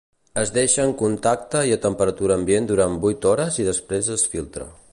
Es deixa en contacte i a temperatura ambient durant vuit hores i després es filtra.